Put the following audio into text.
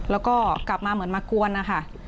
แล้วก็กลับมาเหมือนมากวนนะคะ